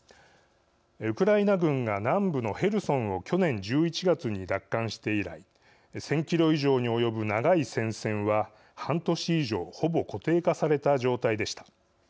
ウクライナ軍が南部のヘルソンを去年１１月に奪還して以来１，０００キロ以上に及ぶ長い戦線は半年以上ほぼ固定化された状態でした。